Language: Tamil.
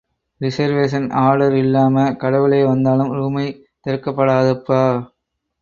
ரிசர்வேசன் ஆர்டர் இல்லாம கடவுளே வந்தாலும் ரூமைத் திறக்கப்படாதுப்பா.